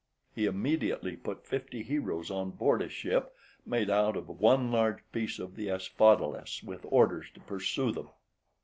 He immediately put fifty heroes on board a ship made out of one large piece of the asphodelus, with orders to pursue them.